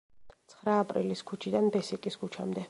ცხრა აპრილის ქუჩიდან ბესიკის ქუჩამდე.